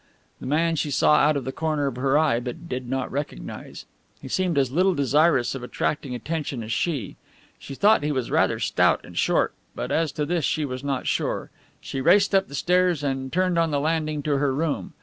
The man she saw out of the corner of her eye but did not recognize. He seemed as little desirous of attracting attention as she. She thought he was rather stout and short, but as to this she was not sure. She raced up the stairs and turned on the landing to her room.